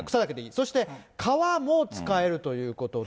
そして、皮も使えるということで。